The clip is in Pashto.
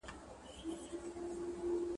خپل کلتور ته درناوی وکړئ.